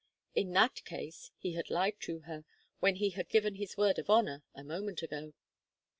In that case he had lied to her, when he had given his word of honour, a moment ago.